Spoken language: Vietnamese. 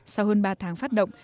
sau hơn ba tháng phát động